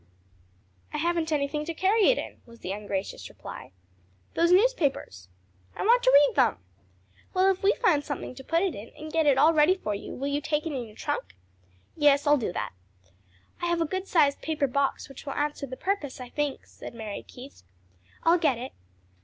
"I haven't anything to carry it in," was the ungracious reply. "Those newspapers." "I want to read them." "Well, if we find something to put it in, and get it all ready for you, will you take it in your trunk?" "Yes, I'll do that." "I have a good sized paper box which will answer the purpose, I think," said Mary Keith. "I'll get it."